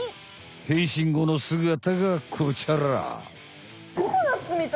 変身ごのすがたがこちら！